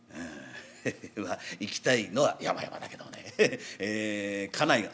「ああまあ行きたいのはやまやまだけどねえ家内が」。